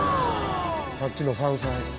さっきの山菜。